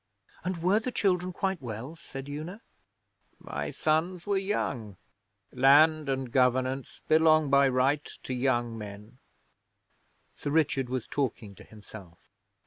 'And were the children quite well?' said Una. 'My sons were young. Land and governance belong by right to young men.' Sir Richard was talking to himself.